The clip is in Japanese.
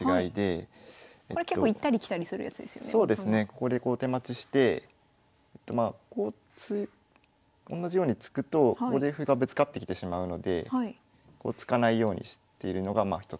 ここでこう手待ちしてまあこうおんなじように突くとここで歩がぶつかってきてしまうのでこう突かないようにしてるのがひとつ工夫ですね。